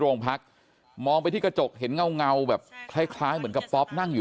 โรงพักมองไปที่กระจกเห็นเงาแบบคล้ายคล้ายเหมือนกับป๊อปนั่งอยู่